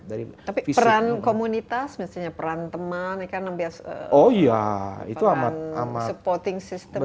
tapi peran komunitas misalnya peran teman peran supporting system